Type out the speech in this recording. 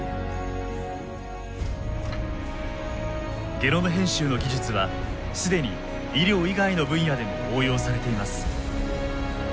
ゲノム編集の技術は既に医療以外の分野でも応用されています。